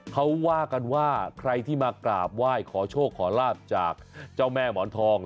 เขาว่ากันว่าใครที่มากราบไหว้ขอโชคขอลาบจากเจ้าแม่หมอนทอง